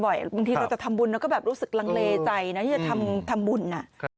บางทีเราจะทำบุญเราก็แบบรู้สึกลังเลใจนะที่จะทำบุญ